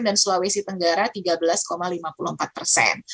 dan sulawesi tenggara tiga belas lima puluh empat persen